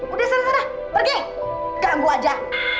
udah sana sana pergi ganggu aja